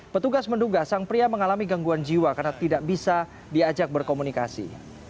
petugas menduga sang pria mengalami gangguan jiwa karena tidak bisa diajak berkomunikasi